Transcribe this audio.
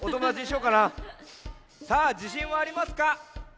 さあじしんはありますか？